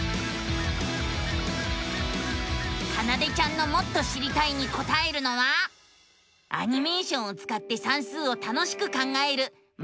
かなでちゃんのもっと知りたいにこたえるのはアニメーションをつかって算数を楽しく考える「マテマティカ２」。